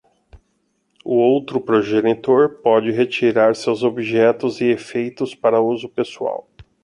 O outro progenitor pode retirar seus objetos e efeitos para uso pessoal.